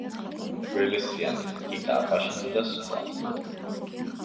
გველესიანი, კიტა აბაშიძე და სხვა.